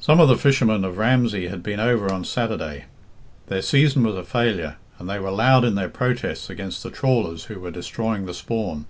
Some of the fishermen of Ramsey had been over on Saturday. Their season was a failure, and they were loud in their protests against the trawlers who were destroying the spawn.